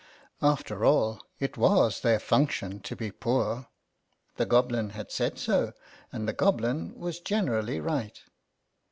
After all, it was their function to be poor; the Goblin had said so, and the Goblin was generally right.